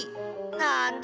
なんだ。